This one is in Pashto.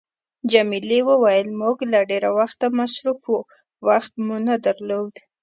جميلې وويل: موږ له ډېره وخته مصروفه وو، وخت مو نه درلود.